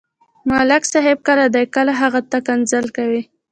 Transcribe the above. ملک صاحب کله دې، کله هغه ته کنځل کوي.